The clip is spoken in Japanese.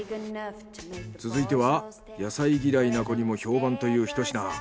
続いては野菜嫌いな子にも評判というひと品。